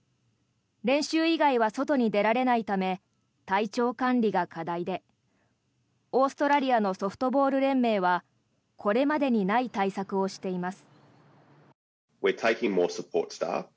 練習以外は外に出られないため体調管理が課題でオーストラリアのソフトボール連盟はこれまでにない対策をしています。